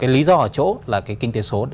lý do ở chỗ là kinh tế số